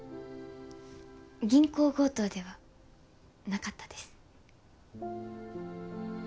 銀行強盗ではなかったです。